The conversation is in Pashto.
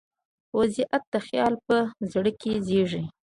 واقعیت د خیال په زړه کې زېږي.